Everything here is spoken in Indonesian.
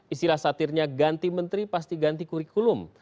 istilah satirnya ganti menteri pasti ganti kurikulum